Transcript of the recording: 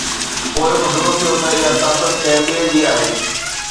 پوءِ پڌرو ٿيو ته اها سياست ڪنهن ٻئي جي آهي.